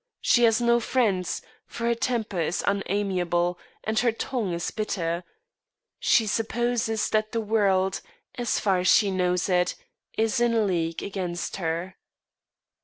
She has no friends; for her temper is unamiable, and her tongue is bitter. She supposes that the world, as far as she knows it, is in league against her.